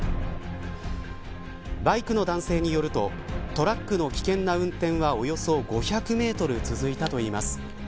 バイクの男性によるとトラックの危険な運転はおよそ５００メートル続いたといいます。